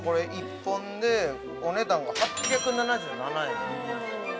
１本で、お値段が８７７円。